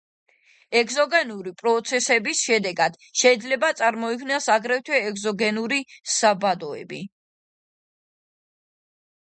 ეგზოგენური პროცესების შედეგად შეიძლება წარმოიქმნას აგრეთვე ეგზოგენური საბადოები.